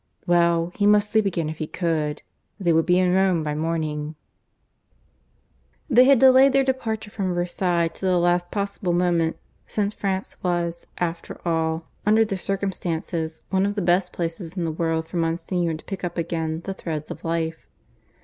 Well, he must sleep again if he could. They would be in Rome by morning. They had delayed their departure from Versailles to the last possible moment, since France was, after all, under the circumstances, one of the best places in the world for Monsignor to pick up again the threads of life.